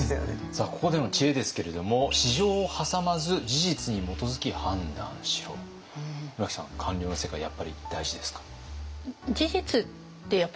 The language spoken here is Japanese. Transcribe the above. さあここでの知恵ですけれども村木さん官僚の世界やっぱり大事ですか？